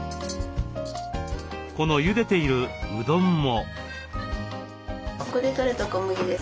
このゆでているうどんも。